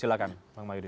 silahkan pak mayudin